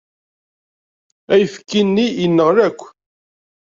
Ayefki-nni yenɣel akk.